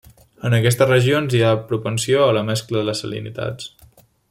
En aquestes regions hi ha propensió a la mescla de les salinitats.